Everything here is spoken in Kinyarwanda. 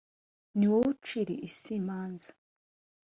Ni wowe ucira isi imanza.